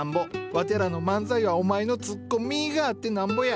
わてらの漫才はお前の「ツッコミ」があってなんぼや。